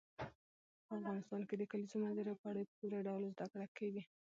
په افغانستان کې د کلیزو منظره په اړه په پوره ډول زده کړه کېږي.